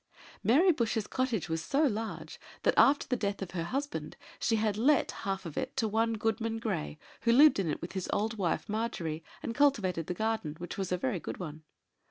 Mary Bush's cottage was so large, that, after the death of her husband, she had let half of it to one Goodman Grey, who lived in it, with his old wife Margery, and cultivated the garden, which was a very good one.